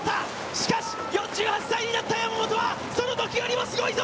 しかし、４８歳になった山本はそのときよりもすごいぞ！